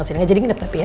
gak jadi ingin apa apa ya